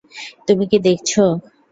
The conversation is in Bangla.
তুমি কি দেখছ?